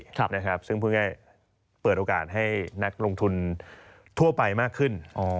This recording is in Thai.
ปกตินะครับซึ่งพึ่งให้เปิดโอกาสให้นักลงทุนทั่วไปมากขึ้น